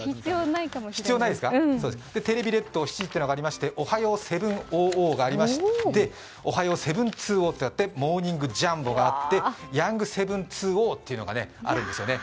「テレビ列島７時」というのがありまして「おはよう７００」がありまし「おはよう７２０」とあって「モーニングジャンボ」があって「ヤング７２０」というのがあるんですね。